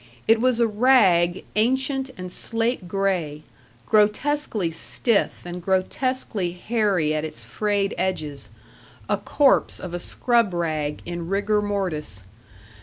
It was a rag ancient and slate gray, grotesquely stiff and grotesquely hairy at its frayed edges a corpse of a scrub rag in rigor mortis.